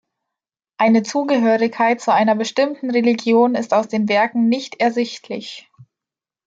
Eine Zugehörigkeit zu einer bestimmten Religion ist aus den Werken nicht ersichtlich.